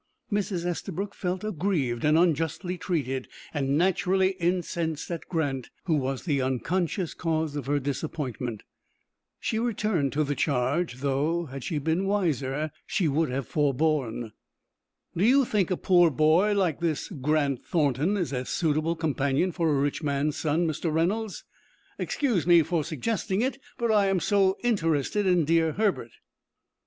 Mrs. Estabrook felt aggrieved, and unjustly treated, and naturally incensed at Grant, who was the unconscious cause of her disappointment. She returned to the charge, though, had she been wiser, she would have foreborne. "Do you think a poor boy like this Grant Thornton is a suitable companion for a rich man's son, Mr. Reynolds? Excuse me for suggesting it, but I am so interested in dear Herbert."